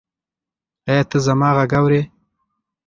ایا ته زما غږ اورې؟